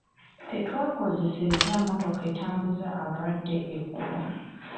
Tetwakozesezza mmotoka etambuza abalwadde eggulo.